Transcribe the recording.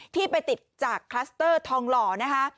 ที่ไปติดจากคลัสเตอร์ทองหล่อนะคะ